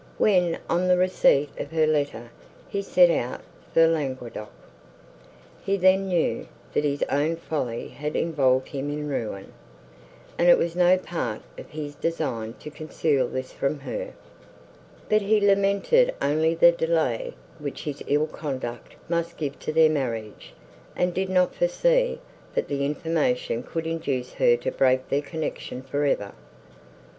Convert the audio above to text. When, on the receipt of her letter, he set out for Languedoc, he then knew, that his own folly had involved him in ruin, and it was no part of his design to conceal this from her. But he lamented only the delay which his ill conduct must give to their marriage, and did not foresee, that the information could induce her to break their connection for ever.